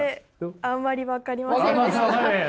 あんまり分かりませんでした。